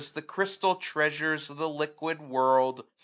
The crystal treasures of the liquid world.